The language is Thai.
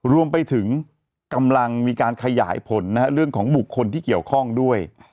รวมไปถึงกำลังมีการขยายผลเรื่องของบุคคลที่เกี่ยวข้องด้วย